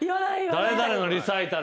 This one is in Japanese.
誰々のリサイタルって。